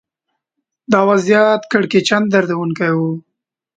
دا وضعیت کړکېچن دردونکی و